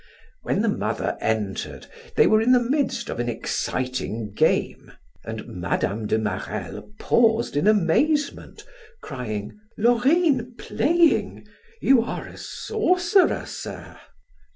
When the mother entered they were in the midst of an exciting game, and Mme. de Marelle paused in amazement, crying: "Laurine playing? You are a sorcerer, sir!"